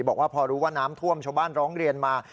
บอกว่าพอรู้ว่าน้ำท่วมชาวบ้านร้องเรียนมา